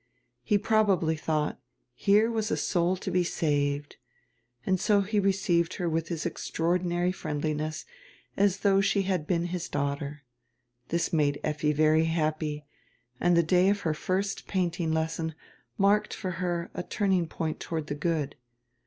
He probably thought, here was a soul to be saved, and so he received her with extraordinary friendliness, as though she had been his daughter. This made Effi very happy, and the day of her first painting lesson marked for her a turning point toward the good.